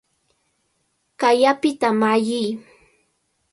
¡Kay apita malliy!